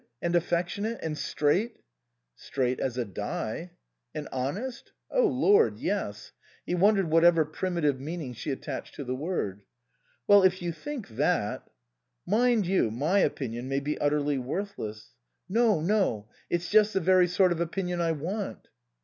And affectionate? And straight ?" "Straight as a die." " And honest ?"" Oh Lord, yes." He wondered whatever primi tive meaning she attached to the word. " Well, if you think that "" Mind you, my opinion may be utterly worth less." " No, no. It's just the very sort of opinion I want."